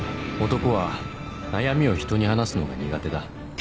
男は悩みをひとに話すのが苦手だ